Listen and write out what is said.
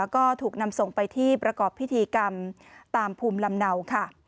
ก็ถูกนำส่งไปที่ประกอบพิธีกรรมตามภูมิลำเนาค่ะ